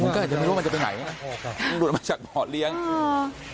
มันก็อยากจะรู้ว่ามันจะไปไหนอ่าหลุดมาจากป่อเลี้ยงอ่า